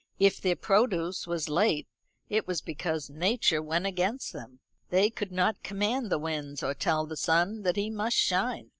If their produce was late it was because nature went against them. They could not command the winds, or tell the sun that he must shine.